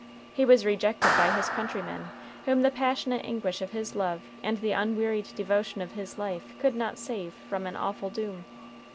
He was rejected by his countrymen, whom the passionate anguish of his love and the unwearied devotion of his life could not save from an awful doom.